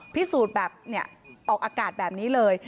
พิสูจน์แบบออกอากาศแบบนี้เลย